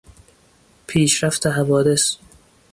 پیشرفت حوادث